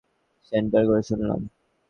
Centre থেকে শুনলাম।